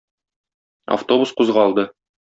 Автобус кузгалды.